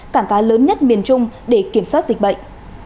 cảng cá lớn nhất miền trung để kiểm soát dịch bệnh